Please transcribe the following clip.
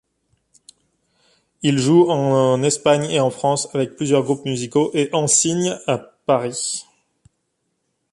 Il joue en Espagne et en France avec plusieurs groupes musicaux et ensigne àParis.